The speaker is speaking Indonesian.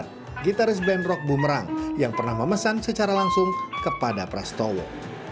dan juga ada yang menembus band rock bumerang yang pernah memesan secara langsung kepada prasetowo